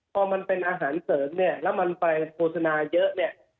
พอมันเป็นอาหารเสริมและมันไปโภษณาเยอะ